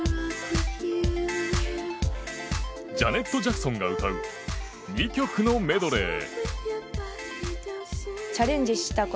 ジャネット・ジャクソンが歌う２曲のメドレー。